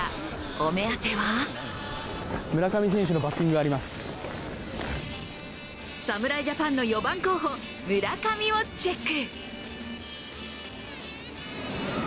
お目当ては侍ジャパンの４番候補村上をチェック。